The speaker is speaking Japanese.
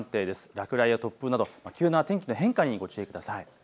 落雷や突風など急な天気の変化にご注意ください。